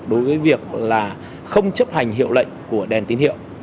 đối với việc là không chấp hành hiệu lệnh của đèn tín hiệu